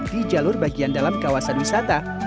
di jalur bagian dalam kawasan wisata